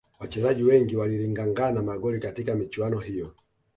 wachezaji wengi walilingangana magoli katika michuano hiyo